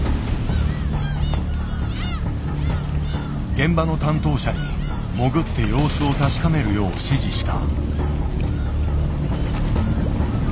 現場の担当者に潜って様子を確かめるよう指示した。